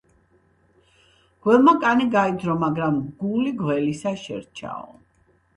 გველმა კანი გაიძრო, მაგრამ გული გველისა შერჩაო!